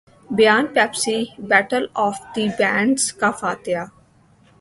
بیان Pepsi battle of the bands کا فاتح